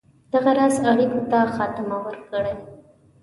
دغه راز اړېکو ته خاتمه ورکړي.